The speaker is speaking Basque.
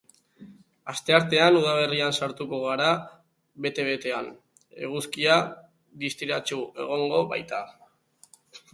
Asteartean udaberrian sartuko gara bete-betean, eguzkia distiratsu egongo baita.